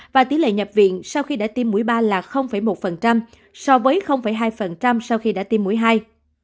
và tỷ lệ nhập viện sau khi đã tiêm mũi ba là một so với hai sau khi đã tiêm mũi hai